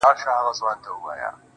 که می زړه چيرته بس مات له عبادت دې